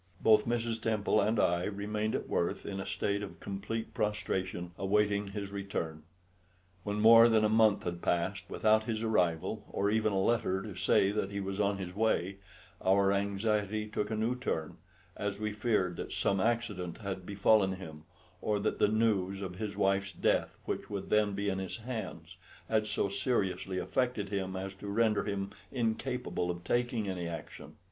Both Mrs. Temple and I remained at Worth in a state of complete prostration, awaiting his return. When more than a month had passed without his arrival, or even a letter to say that he was on his way, our anxiety took a new turn, as we feared that some accident had befallen him, or that the news of his wife's death, which would then be in his hands, had so seriously affected him as to render him incapable of taking any action.